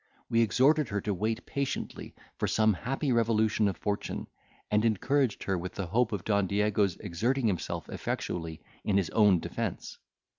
We exhorted her to wait patiently for some happy revolution of fortune, and encouraged her with the hope of Don Diego's exerting himself effectually in his own defence.